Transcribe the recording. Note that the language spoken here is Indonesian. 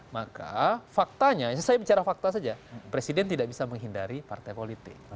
maka faktanya saya bicara fakta saja presiden tidak bisa menghindari partai politik